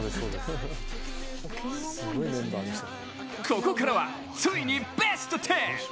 ここからはついにベスト１０！